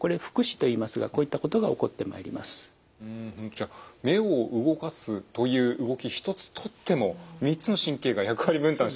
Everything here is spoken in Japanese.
じゃあ目を動かすという動き一つとっても３つの神経が役割分担して。